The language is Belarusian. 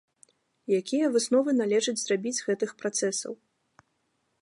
Якія высновы належыць зрабіць з гэтых працэсаў?